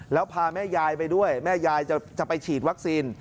แล้วพาแม่ยายไปด้วยแม่ยายจะไปฉีดวัคซีน